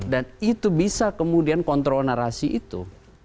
dan itu bisa kemudian kontrol narasi itu